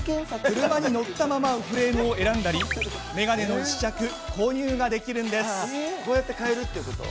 車に乗ったままフレームを選んだり眼鏡の試着、購入ができるんです。